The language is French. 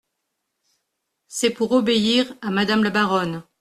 C’est pour obéir à madame la baronne.